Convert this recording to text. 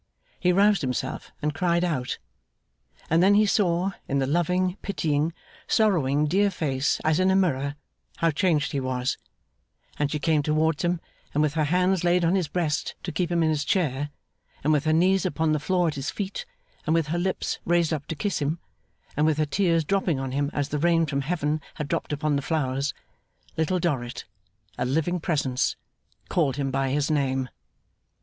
He roused himself, and cried out. And then he saw, in the loving, pitying, sorrowing, dear face, as in a mirror, how changed he was; and she came towards him; and with her hands laid on his breast to keep him in his chair, and with her knees upon the floor at his feet, and with her lips raised up to kiss him, and with her tears dropping on him as the rain from Heaven had dropped upon the flowers, Little Dorrit, a living presence, called him by his name.